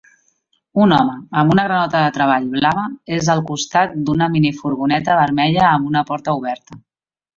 Un home amb una granota de treball blava és al costat d'una minifurgoneta vermella amb una porta oberta